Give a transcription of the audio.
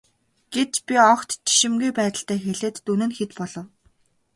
гэж би огт жишимгүй байдалтай хэлээд дүн нь хэд болов.